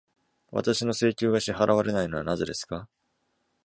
私の請求が支払われないのはなぜですか？